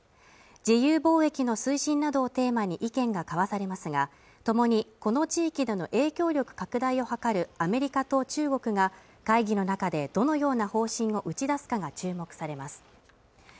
自由貿易の推進などをテーマに意見が交わされますがともにこの地域での影響力拡大を図るアメリカと中国が会議の中でどのような方針を打ち出すかが注目されます